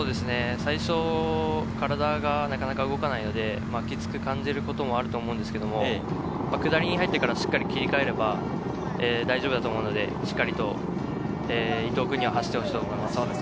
最初、体がなかなか動かないので、キツく感じることもあると思うんですけど、下りに入ってからしっかり切り替えれば大丈夫だと思うので、しっかりと伊藤君には走ってほしいと思います。